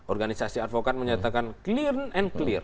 organisasi advokat menyatakan clear and clear